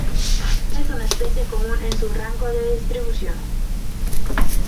Es una especie común en su rango de distribución.